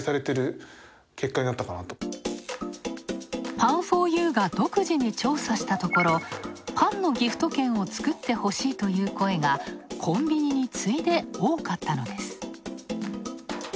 パンフォーユーが独自に調査したところ、パンのギフト券を作ってほしいという声がコンビニに次いで多かったのです。